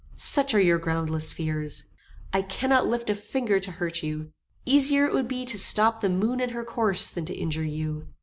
Such are your groundless fears. I cannot lift a finger to hurt you. Easier it would be to stop the moon in her course than to injure you.